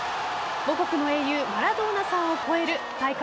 母国の英雄マラドーナさんを超える大会